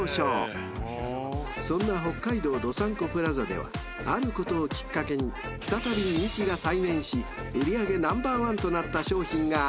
［そんな北海道どさんこプラザではあることをきっかけに再び人気が再燃し売り上げナンバーワンとなった商品があるんです］